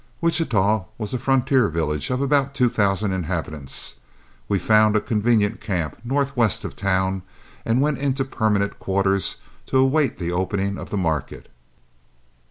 Wichita was a frontier village of about two thousand inhabitants. We found a convenient camp northwest of town, and went into permanent quarters to await the opening of the market.